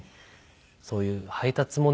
そういう「配達もね」